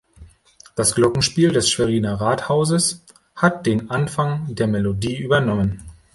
Das Glockenspiel des Schweriner Rathauses hat den Anfang der Melodie übernommen.